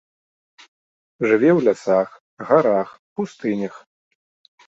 Жыве ў лясах, гарах, пустынях.